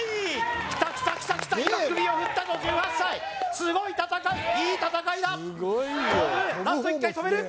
きたきたきたきた今首を振ったぞ１８歳すごい戦いいい戦いだ跳ぶラスト１回跳べる？